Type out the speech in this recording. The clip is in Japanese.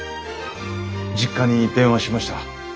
実家に電話しました。